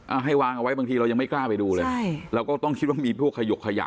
ให้วางเอาไว้บางทีเรายังไม่กล้าไปดูเลยใช่เราก็ต้องคิดว่ามีพวกขยกขยะ